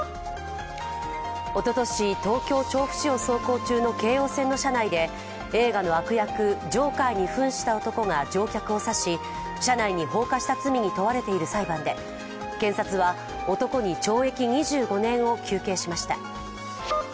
おととし東京・調布市を走行中の京王線の車内で、映画の悪役「ジョーカー」に扮した男が乗客を刺し車内に放火した罪に問われている裁判で検察は、男に懲役２５年を求刑しました。